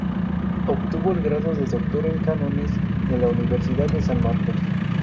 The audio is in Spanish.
Obtuvo el grado de Doctor en Cánones en la Universidad de San Marcos.